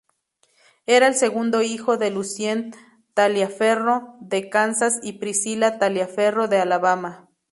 Era el segundo hijo de Lucien Taliaferro, de Kansas y Priscila Taliaferro, de Alabama.